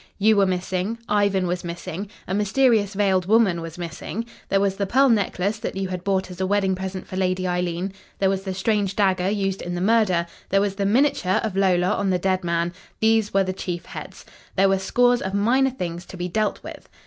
You were missing. Ivan was missing. A mysterious veiled woman was missing. There was the pearl necklace that you had bought as a wedding present for Lady Eileen. There was the strange dagger used in the murder. There was the miniature of Lola on the dead man. These were the chief heads. There were scores of minor things to be dealt with.